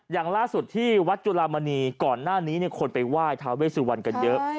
อย่างล่าสุดที่วัดจุลามณีก่อนหน้านี้คนไปไหว้ทาเวสุวรรณกันเยอะ